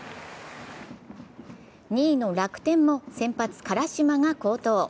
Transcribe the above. ２位の楽天も先発・辛島が好投。